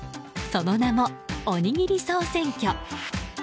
その名も、おにぎり総選挙。